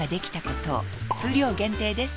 数量限定です